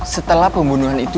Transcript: setelah pembunuhan itu